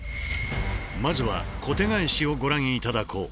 まずは「小手返し」をご覧頂こう。